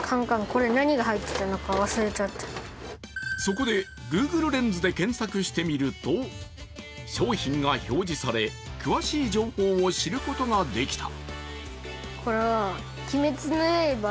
そこでＧｏｏｇｌｅレンズで検索してみると商品が表示され詳しい情報を知ることができた。